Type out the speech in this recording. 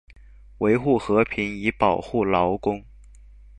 維護和平以保護勞工